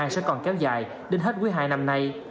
sẽ còn kéo dài đến hết quý hai năm nay